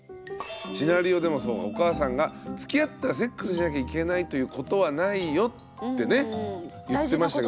シナリオでもそうかお母さんがつきあったらセックスしなきゃいけないということはないよってね言ってました。